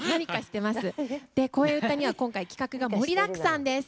「こえうた」には今回、企画が盛りだくさんです。